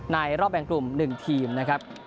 รอบแบ่งกลุ่ม๑ทีมนะครับ